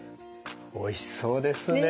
おいしそうですね！